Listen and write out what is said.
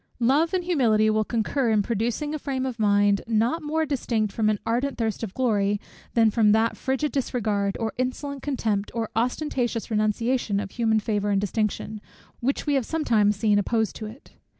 Love and humility will concur in producing a frame of mind, not more distinct from an ardent thirst of glory, than from that frigid disregard, or insolent contempt, or ostentatious renunciation of human favour and distinction, which we have sometimes seen opposed to it.